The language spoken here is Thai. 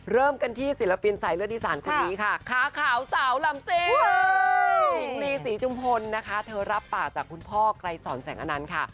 เริ่มกันที่ศิลปินสายเลือดอีสานคนนี้ค่ะค้าขาวสาวลำเจหญิงลีศรีจุมพลนะคะเธอรับปากจากคุณพ่อไกรสอนแสงอนันต์ค่ะ